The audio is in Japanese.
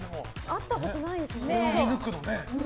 会ったことないですよね。